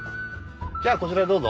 じゃあこちらへどうぞ。